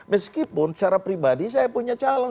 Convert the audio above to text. meskipun secara pribadi saya punya calon